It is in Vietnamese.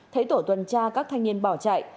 thấy tổ tuần tra các thanh niên bỏ chạy